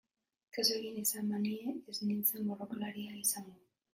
Kasu egin izan banie ez nintzen borrokalaria izango...